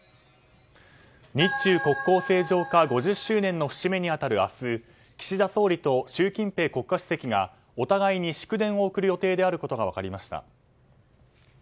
日中国交正常化５０周年の節目に当たる明日岸田総理と習近平国家主席がお互いに祝電を送る予定であることが分かりました。